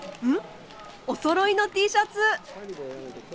おそろいのＴシャツ。